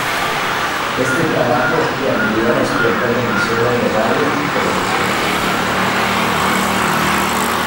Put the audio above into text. Este trabajo, le abriría las puertas de emisoras de radio y televisión.